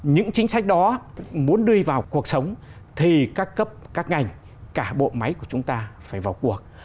những chính sách đó muốn đưa vào cuộc sống thì các cấp các ngành cả bộ máy của chúng ta phải vào cuộc